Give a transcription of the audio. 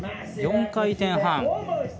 ４回転半。